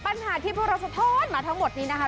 ปัญหาที่พวกเราสะท้อนมาทั้งหมดนี้นะคะ